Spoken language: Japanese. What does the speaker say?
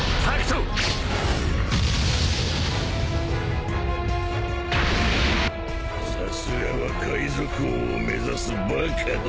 さすがは海賊王を目指すバカどもだ。